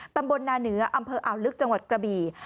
ตำบลนาเหนืออำเภออ่าวลึกจังหวัดกระบี่